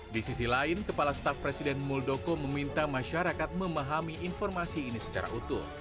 di sisi lain kepala staf presiden muldoko meminta masyarakat memahami informasi ini secara utuh